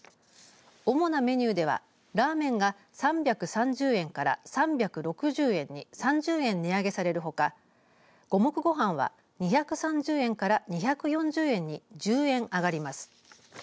主なメニューではラーメンが３３０円から３６０円に３０円値上げされるほか五目ごはんは２３０円から２４０円に１０円上がります。